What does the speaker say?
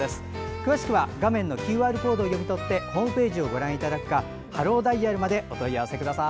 詳しくは画面のＱＲコードを読み取ってホームページをご覧いただくかハローダイヤルまでお問い合わせください。